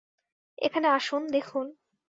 এখানে আসুন, দেখুন।